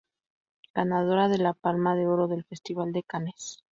Ganadora de la Palma de Oro del Festival de Cannes.